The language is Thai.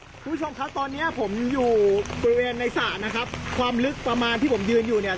คุณผู้ชมครับตอนเนี้ยผมอยู่บริเวณในสระนะครับความลึกประมาณที่ผมยืนอยู่เนี่ย